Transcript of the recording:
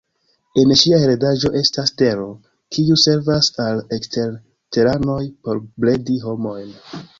En ŝia heredaĵo estas Tero, kiu servas al eksterteranoj por bredi homojn.